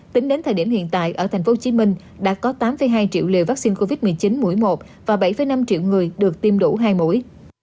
tính đến thời điểm hiện tại ở tp hcm đã có tám hai triệu liều vaccine covid một mươi chín mũi một và bảy năm triệu người được tiêm đủ hai mũi